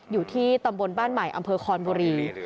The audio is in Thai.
อยู่ที่ตำรวจสภคอนบุรี